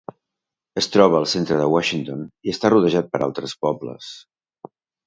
Es troba al centre de Washington i està rodejat per altres pobles.